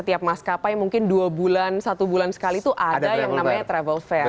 di pas kapai mungkin dua bulan satu bulan sekali itu ada yang namanya travel fare